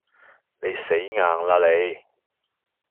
你死硬喇你